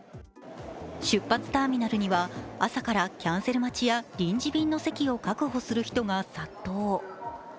出発ターミナルには朝からキャンセル待ちや臨時便の席を確保する人が殺到。